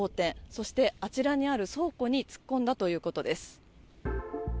そしてあちらにある倉庫に突っ込んだということです。